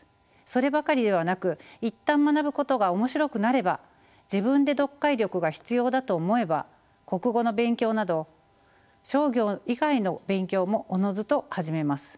そればかりではなく一旦学ぶことが面白くなれば自分で読解力が必要だと思えば国語の勉強など商業以外の勉強もおのずと始めます。